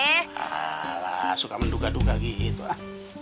ah ah ah ah suka menduga duga gitu ah